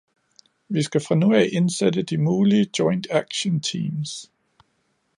Vi skal fra nu af indsætte de mulige joint action teams.